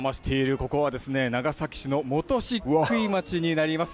ここは、長崎市の本石灰町になります。